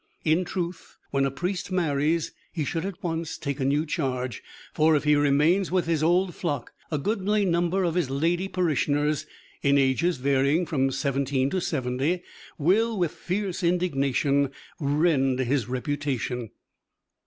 In truth, when a priest marries he should at once take a new charge, for if he remains with his old flock a goodly number of his "lady parishioners," in ages varying from seventeen to seventy, will with fierce indignation rend his reputation.